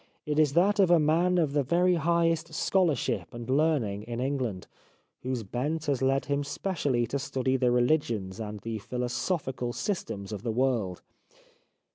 It is that of a man of the very highest scholarship and learning in England, whose bent has led him specially to study the religions and the philosophical systems of the world.